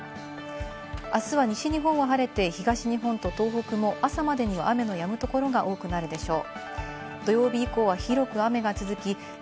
あすは西日本は晴れて東日本と東北も朝までには雨のやむところが多くなるでしょう。